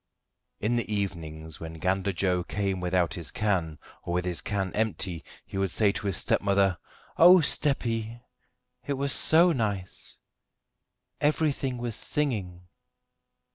In the evenings, when Gander Joe came without his can, or with his can empty, he would say to his stepmother: "Oh, steppy! it was so nice; everything was singing."